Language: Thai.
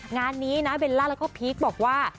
งานนี้นะเบลล่าแล้วก็พีคบอกว่า